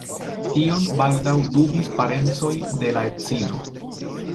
Tion baldaŭ dubis parencoj de la edzino.